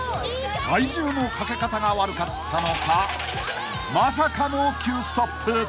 ［体重のかけ方が悪かったのかまさかの急ストップ］